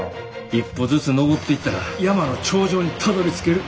一歩ずつ登っていったら山の頂上にたどりつける。